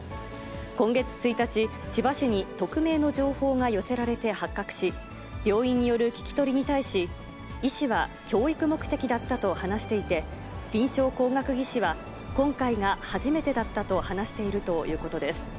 今月１日、千葉市に匿名の情報が寄せられて発覚し、病院による聞き取りに対し、医師は教育目的だったと話していて、臨床工学技士は、今回が初めてだったと話しているということです。